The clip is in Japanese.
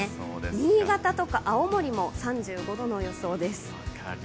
新潟とか青森も３５度の予想です。